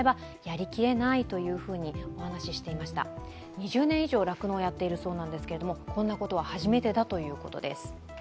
２０年以上酪農をやってるそうなんですが、こんなことは初めてだということです。